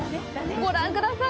ご覧ください。